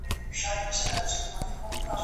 چي پر خوله به یې راتله هغه کېدله